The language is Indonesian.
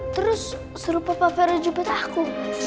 terus suruh papa fero jumpa aku